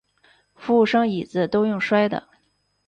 服务生椅子都用摔的